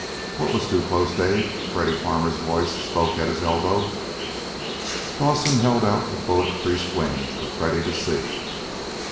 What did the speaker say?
"What was too close, Dave?" Freddy Farmer's voice spoke at his elbow. Dawson held out the bullet creased wings for Freddy to see.